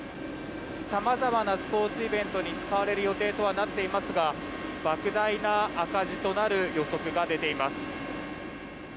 さまざまなスポーツイベントに使われる予定とはなっていますが莫大な赤字となる予測が出ています。